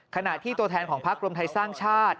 ขณะที่ตัวแทนของพักรวมไทยสร้างชาติ